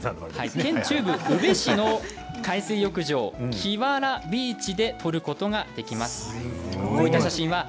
県中部、宇部市の海水浴場キワ・ラ・ビーチで撮ることができます。